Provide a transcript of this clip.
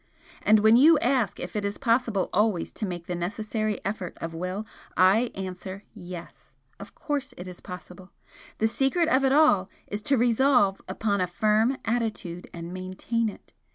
And when you ask if it is possible always to make the necessary effort of will, I answer yes, of course it is possible. The secret of it all is to resolve upon a firm attitude and maintain it.